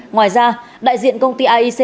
ngoài ra đại diện công ty aic đề nghị tòa sơ thẩm